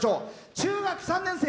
中学３年生。